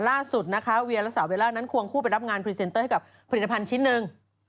ล่าสุดนะคะเวียและสาวเวลานั้นควงคู่ไปรับงานพรีเซนเตอร์ให้กับผลิตภัณฑ์ชิ้นหนึ่ง